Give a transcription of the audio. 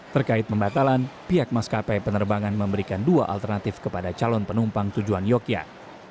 terkait pembatalan pihak maskapai penerbangan memberikan dua alternatif kepada calon penumpang tujuan yogyakarta